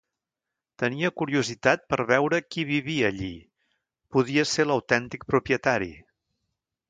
Tenia curiositat per veure qui vivia allí, podia ser l'autèntic propietari.